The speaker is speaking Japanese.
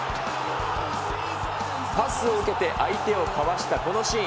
パスを受けて相手をかわしたこのシーン。